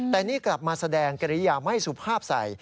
แต่นี่กลับมาแสดงกริยาไม่สุภาพใส่